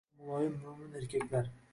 Va muloyim, mo‘min erkaklar.